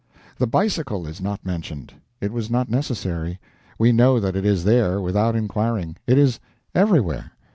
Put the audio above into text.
The bicycle is not mentioned. It was not necessary. We know that it is there, without inquiring. It is everywhere.